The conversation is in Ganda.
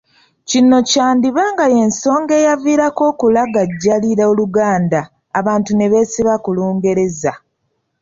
Kino kyandiba nga y’ensonga eyaviirako okulagajjalira Oluganda abantu ne beesiba ku Lungereza